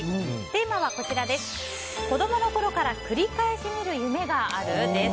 テーマは子供の頃から繰り返し見る“夢”がある？です。